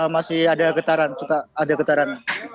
masih ada getaran suka ada getaran